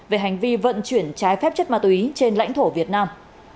về hành vi vận chuyển trái phép chất ma túy trên lãnh thổ việt nam